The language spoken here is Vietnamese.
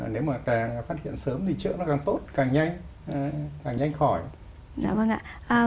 nếu mà càng phát hiện sớm thì chữa nó càng tốt càng nhanh càng nhanh khỏi